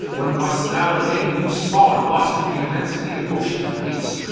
When wast thou an egg new spawn'd, Lost in the immensity of ocean's waste?